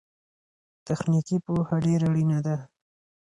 تخنيکي پوهه ډېره اړينه ده.